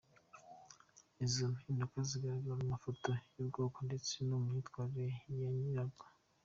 Izo mpinduka zigaragara mu mafoto y’ubwonko ndetse no mu myitwarire ya nyirabwo.